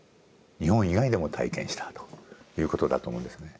日本以外でも体験したということだと思うんですね。